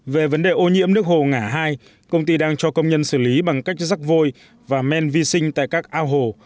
về vấn đề ô nhiễm nước hồ ngã hai công ty đang cho công nhân xử lý bằng cách rắc vôi và men vi sinh tại các ao hồ